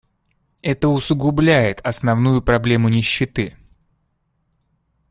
Это усугубляет основную проблему нищеты.